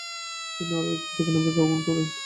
তিনি আরও একবার দক্ষিণ আফ্রিকা গমন করেন।